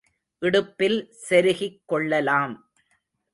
இடுப்பில் செருகிக் கொள்ளலாம்.